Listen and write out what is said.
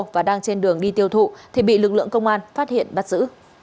và đang trên đường đi tiêu thụ thì bị lực lượng công an phát hiện bắt giữ